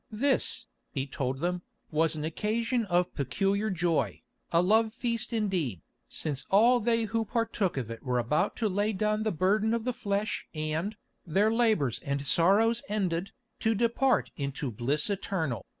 This, he told them, was an occasion of peculiar joy, a love feast indeed, since all they who partook of it were about to lay down the burden of the flesh and, their labours and sorrows ended, to depart into bliss eternal.